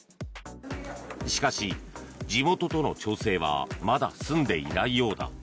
しかし、地元との調整はまだ済んでいないようだ。